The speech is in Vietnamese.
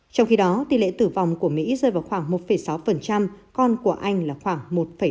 trong khi đó tỷ lệ tử vong của mỹ rơi vào khoảng một sáu còn của anh là khoảng một ba mươi năm